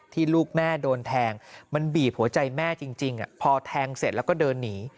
ลูกแม่โดนแทงมันบีบหัวใจแม่จริงพอแทงเสร็จแล้วก็เดินหนี